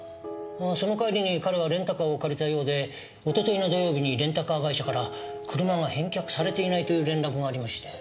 その帰りに彼はレンタカーを借りたようでおとといの土曜日にレンタカー会社から車が返却されていないという連絡がありまして。